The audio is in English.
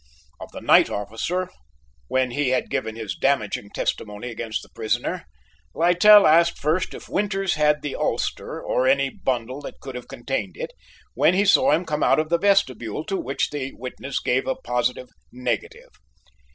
Of the night officer, when he had given his damaging testimony against the prisoner, Littell asked first if Winters had the ulster, or any bundle that could have contained it, when he saw him come out of the vestibule; to which the witness gave a positive negative.